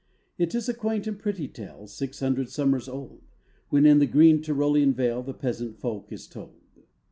It is a quaint and pretty tale Six hundred summers old, When in the green Tyrolean vale, The peasant folk is told.